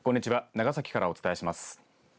長崎からお伝えします。